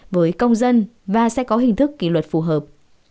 với công dân và sẽ có hình thức kỷ luật phù hợp